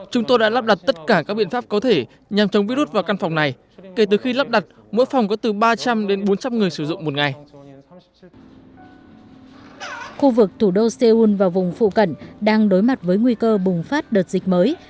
khu vực thủ đô seoul và vùng phụ cận đang đối mặt với nguy cơ bùng phát đợt dịch mới